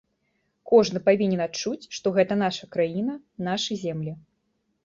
Кожны павінен адчуць, што гэта наша краіна, нашы землі.